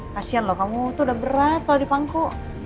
kasian lo kamu tuh udah berat kalo di pangku